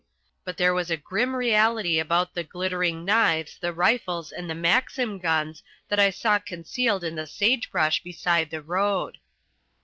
But there was a grim reality about the glittering knives, the rifles and the maxim guns that I saw concealed in the sage brush beside the road.